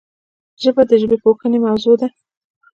ژبه د ژبپوهنې موضوع ده